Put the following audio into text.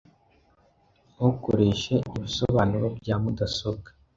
Ntukoreshe ibisobanuro bya mudasobwa .